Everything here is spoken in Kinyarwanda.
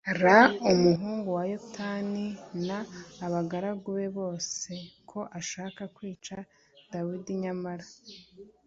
Ra umuhungu we yonatani n abagaragu be bose ko ashaka kwica dawidi nyamara